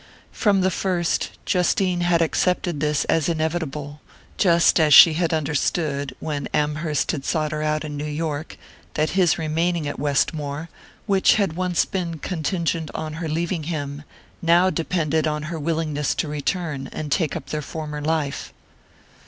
From the first, Justine had accepted this as inevitable; just as she had understood, when Amherst had sought her out in New York, that his remaining at Westmore, which had once been contingent on her leaving him, now depended on her willingness to return and take up their former life.